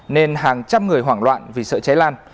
nên hàng trăm người hoảng loạn vì sợ cháy lan